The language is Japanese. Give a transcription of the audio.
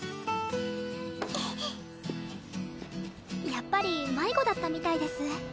やっぱり迷子だったみたいです。